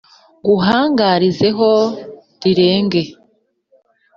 Nguhangarize ho rirenge